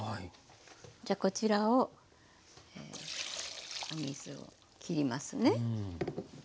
じゃこちらをお水を切りますね。